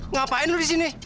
ngapain lo disini